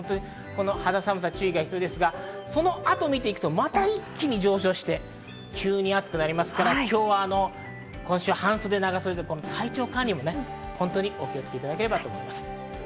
この肌寒さ注意が必要ですが、その後を見ていくと、また一気に上昇して急に暑くなりますから、今週、半袖、長袖で体調管理もお気をつけいただければと思います。